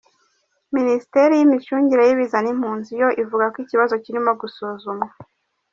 Minisiteri y’Imicungire y’ibiza n’impunzi yo ivuga ko ikibazo kirimo gusuzumwa.